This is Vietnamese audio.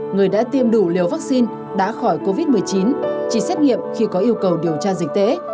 người đã tiêm đủ liều vaccine đã khỏi covid một mươi chín chỉ xét nghiệm khi có yêu cầu điều tra dịch tễ